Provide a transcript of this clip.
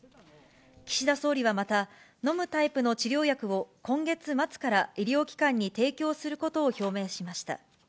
岸田総理はまた、飲むタイプの治療薬を今月末から医療機関に提供することを表明しました。